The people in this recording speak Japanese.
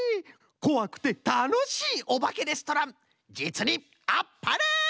こわくてたのしいおばけレストランじつにあっぱれ！